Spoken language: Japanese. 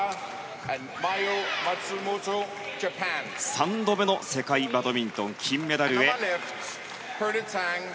３度目の世界バドミントン金メダルへ。